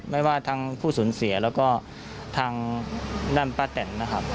ไม่ว่าทางผู้สูญเสียแล้วก็ทางด้านป้าแตนนะครับ